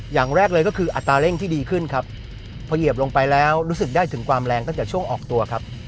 อย่างแรกเลยก็คืออัตราเร่งที่ดีขึ้นครับพอเหยียบลงไปแล้วรู้สึกได้ถึงความแรงตั้งแต่ช่วงออกตัวครับ